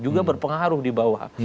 juga berpengaruh di bawah